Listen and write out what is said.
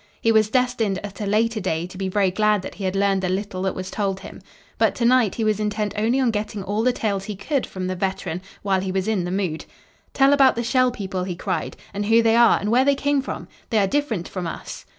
He was destined, at a later day, to be very glad that he had learned the little that was told him. But to night he was intent only on getting all the tales he could from the veteran while he was in the mood. "Tell about the Shell People," he cried, "and who they are and where they came from. They are different from us."